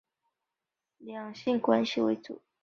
剧集内容以灌输青少年正确的性观念和两性关系为主。